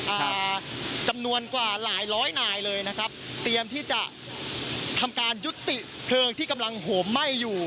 อ่าจำนวนกว่าหลายร้อยนายเลยนะครับเตรียมที่จะทำการยุติเพลิงที่กำลังโหมไหม้อยู่